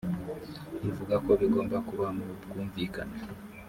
ivuga ko bigomba kuba mu bwumvikane